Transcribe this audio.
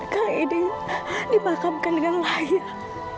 kak idy dipakamkan dengan layak